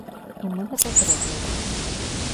І мы гэта зробім.